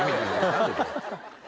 何でだよ！